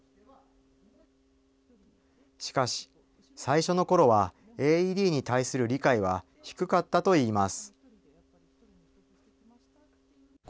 しかし、最初の頃はＡＥＤに対する理解は低かったといいます。